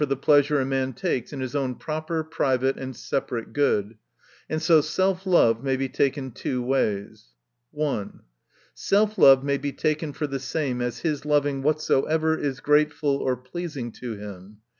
the pleasure a man takes in his own proper, private, and separate good. — And so, self love may be taken two ways. 1. Self love may be taken for the same as his loving whatsoever is gratefu. or pleasing to him.